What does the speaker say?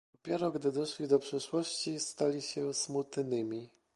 "Dopiero gdy doszli do przyszłości, stali się smutnymi."